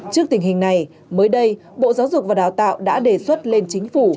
trước tình hình này mới đây bộ giáo dục và đào tạo đã đề xuất lên chính phủ